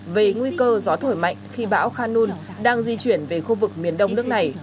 về nguy cơ gió thổi mạnh khi bão khanun đang di chuyển về khu vực miền đông nước này